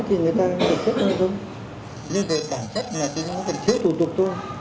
nhưng về tạm chất thì chúng ta cần thiếu thủ tục thôi